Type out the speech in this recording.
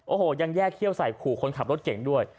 โอ้โหยังแยกเขี้ยวใส่ขู่คนขับรถเก่งด้วย